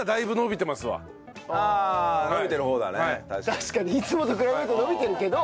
確かにいつもと比べると伸びてるけど。